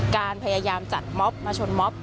การพยายามจัดม็อบมาชนม็อบ